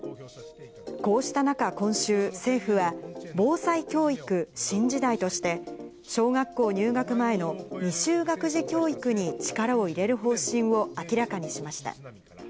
こうした中、今週、政府は、防災教育・新時代として、小学校入学前の未就学児教育に力を入れる方針を明らかにしました。